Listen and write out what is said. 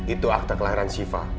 itu akte kelahiran siva